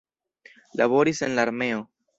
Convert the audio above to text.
Laboris en la armeo.